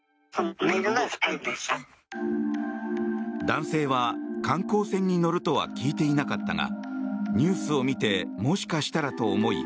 男性は、観光船に乗るとは聞いていなかったがニュースを見てもしかしたらと思い